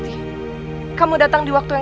tidak ada yang bisa dikawal